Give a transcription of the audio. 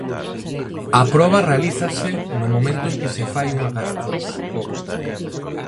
A proba realízase no momento en que se fai unha gastroscopia.